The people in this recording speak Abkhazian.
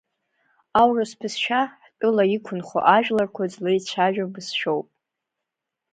Аурыс бызшәа ҳтәыла иқәынхо ажәларқәа злеицәажәо бызшәоуп.